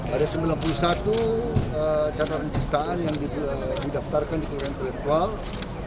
ada sembilan puluh satu catatan ciptaan yang didaftarkan di kelurahan intelektual